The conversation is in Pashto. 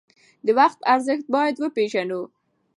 د وخت ارزښت باید وپیژنو.